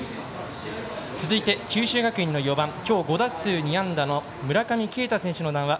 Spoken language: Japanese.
続いて九州学院の４番今日５打数２安打の村上慶太選手の談話